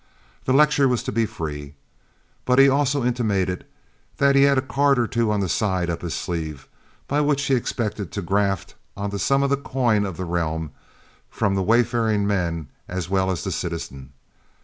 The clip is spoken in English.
The lecture was to be free, but he also intimated that he had a card or two on the side up his sleeve, by which he expected to graft onto some of the coin of the realm from the wayfaring man as well as the citizen.